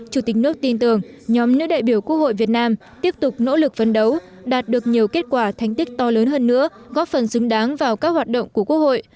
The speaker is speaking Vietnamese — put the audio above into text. chủ tịch nước tin tưởng nhóm nữ đại biểu quốc hội việt nam tiếp tục nỗ lực phấn đấu đạt được nhiều kết quả thành tích to lớn hơn nữa góp phần xứng đáng vào các hoạt động của quốc hội